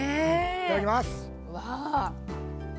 いただきます。